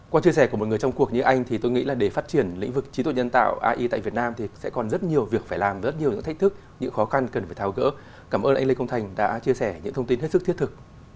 qua chia sẻ của một người trong cuộc như anh thì tôi nghĩ là để phát triển lĩnh vực trí tuệ nhân tạo ai tại việt nam thì sẽ còn rất nhiều việc phải làm rất nhiều những thách thức những khó khăn cần phải tháo gỡ cảm ơn anh lê công thành đã chia sẻ những thông tin hết sức thiết thực